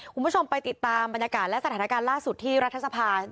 คุณผู้ชมไปติดตามบรรยากาศและสถานการณ์ล่าสุดที่รัฐสภา